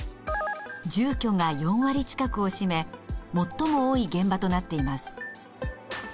住居が４割近くを占め最も多い現場となっています。